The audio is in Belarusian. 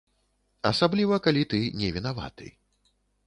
Асабліва, калі ты не вінаваты.